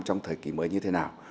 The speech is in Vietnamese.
trong thời kỳ mới như thế nào